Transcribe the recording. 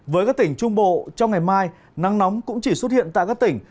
với các tỉnh trung bộ trong ngày mai nắng nóng cũng chỉ xuất hiện tại các tỉnh